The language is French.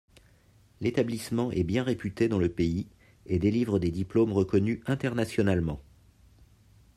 L'établissement est bien réputé dans le pays et délivre des diplômes reconnus internationalement.